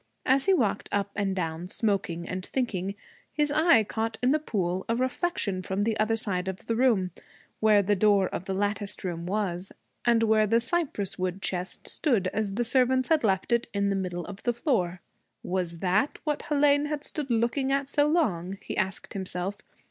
As he walked up and down, smoking and thinking, his eye caught in the pool a reflection from the other side of the room, where the door of the latticed room was, and where the cypress wood chest stood as the servants had left it in the middle of the floor. Was that what Hélène had stood looking at so long? he asked himself.